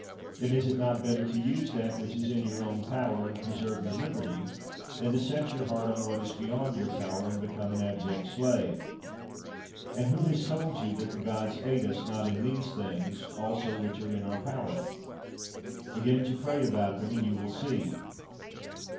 Then is it not better to use that which is in your own power and preserve your liberty, than to set your heart on what is beyond your power and become an abject slave? And who has told you that the Gods aid us not in these things also which are in our power? Begin to pray about them and you will see.